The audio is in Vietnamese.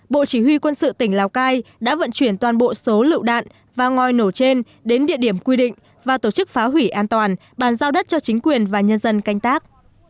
bộ chỉ huy quân sự tỉnh lào cai đã vận chuyển toàn bộ số lựu đạn và ngòi nổ trên đến địa điểm quy định và tổ chức phá hủy an toàn bàn giao đất cho chính quyền và nhân dân canh tác